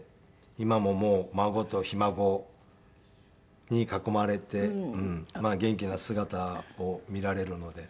今ももう孫とひ孫に囲まれて元気な姿を見られるので。